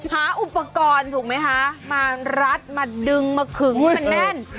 หาอุปกรณ์ถูกไหมคะมารัดมาดึงมาขึงให้มันแน่น